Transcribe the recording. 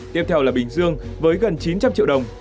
tiếp theo là bình dương với gần chín trăm linh triệu đồng